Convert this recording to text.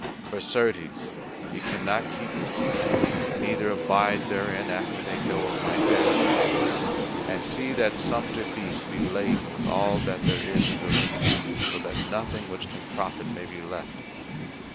For certes ye cannot keep the city, neither abide therein after they know of my death. And see that sumpter beasts be laden with all that there is in Valencia, so that nothing which can profit may be left.